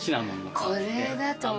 これだと思う。